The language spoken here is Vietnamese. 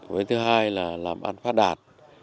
với thứ hai là làm ăn phát đạt